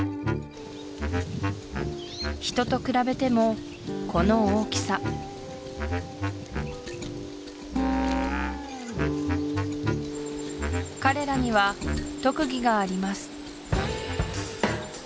人と比べてもこの大きさ彼らには特技があります